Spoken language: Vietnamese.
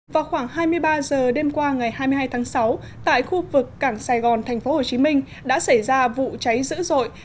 vào khoảng hai mươi ba h đêm qua ngày hai mươi hai tháng sáu tại khu vực cảng sài gòn tp hcm đã xảy ra vụ cháy dữ dội